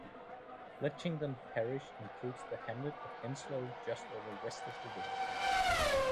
Bletchingdon parish includes the hamlet of Enslow just over west of the village.